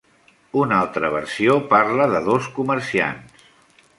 Una altra versió parla de dos comerciants.